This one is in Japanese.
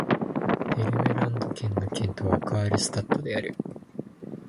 ヴェルムランド県の県都はカールスタッドである